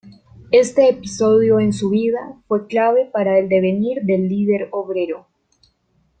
Este episodio en su vida, fue clave para el devenir del líder obrero.